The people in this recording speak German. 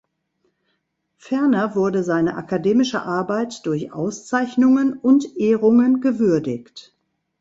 Ferner wurde seine akademische Arbeit durch Auszeichnungen und Ehrungen gewürdigt.